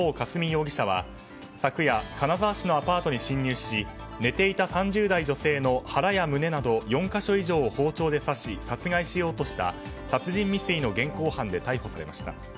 容疑者は昨夜、金沢市のアパートに侵入し寝ていた３０代女性の腹や胸など４か所以上を包丁で刺し殺害しようとした殺人未遂の現行犯で逮捕されました。